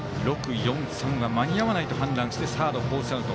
６−４−３は間に合わないと判断してサードフォースアウト。